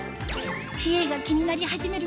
冷えが気になり始める